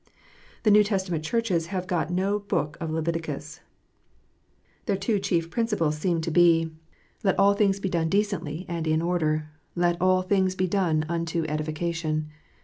The New Testament Churches have got no book of Leviticus. Their two chief principles seem to be, 222 KNOTS UNTIED. " Let all things be done decently and in order; Let all things be done unto edification."